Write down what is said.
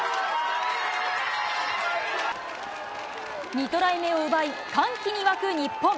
２トライ目を奪い、歓喜に沸く日本。